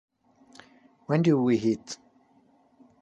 When Do We Eat?